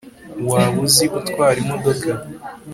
waba uzi gutwara imodoka